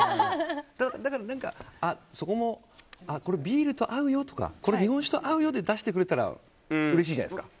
だからそこもビールと合うよとか日本酒と合うよで出してくれたらうれしいじゃないですか。